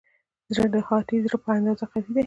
زړه د هاتي زړه په اندازه قوي دی.